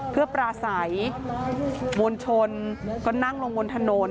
เพื่อปลาใสวนชนก็นั่งลงบนถนน